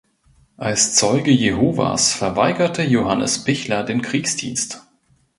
Als Zeuge Jehovas verweigerte Johannes Pichler den Kriegsdienst.